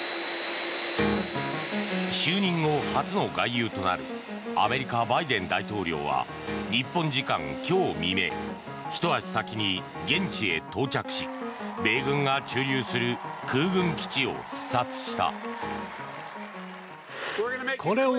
就任後初の外遊となるアメリカ、バイデン大統領は日本時間今日未明ひと足先に現地へ到着し米軍が駐留する空軍基地を視察した。